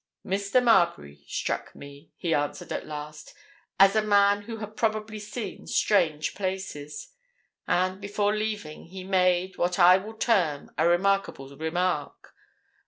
"Mr. Marbury struck me," he answered at last, "as a man who had probably seen strange places. And before leaving he made, what I will term, a remarkable remark.